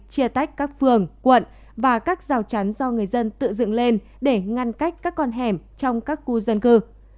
chia tách các phường quận và các rào chắn do người dân tự dựng lên để ngăn cách các con hẻm trong các khu dân cư